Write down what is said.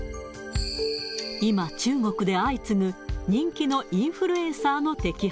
今、中国で相次ぐ人気のインフルエンサーの摘発。